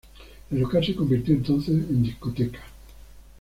El local se convirtió entonces en discoteca.